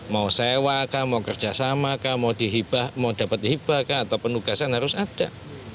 mau sewa mau kerjasama mau dapat dihibah atau penugasan harus ada